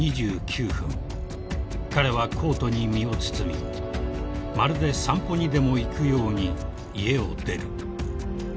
［彼はコートに身を包みまるで散歩にでも行くように家を出る］